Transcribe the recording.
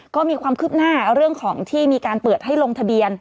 ก็มีความคืบหน้าเรื่องของที่มีการเปิดให้ลงทะเบียน